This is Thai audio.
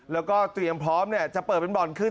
แล้วก็เตรียมพร้อมจะเปิดเป็นบ่อนขึ้น